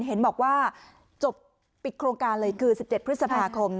เห็นบอกว่าจบปิดโครงการเลยคือ๑๗พฤษภาคม